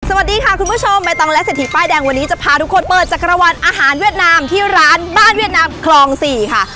สวัสดีค่ะคุณผู้ชมใบตองและเศรษฐีป้ายแดงวันนี้จะพาทุกคนเปิดจักรวรรณอาหารเวียดนามที่ร้านบ้านเวียดนามคลอง๔ค่ะ